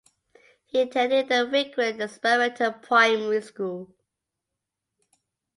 He attended the Fuqing Experimental Primary School.